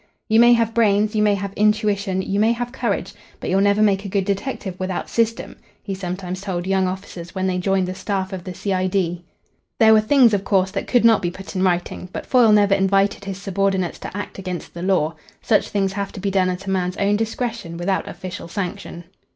"You may have brains, you may have intuition, you may have courage, but you'll never make a good detective without system," he sometimes told young officers when they joined the staff of the C.I.D. There were things, of course, that could not be put in writing, but Foyle never invited his subordinates to act against the law. Such things have to be done at a man's own discretion without official sanction.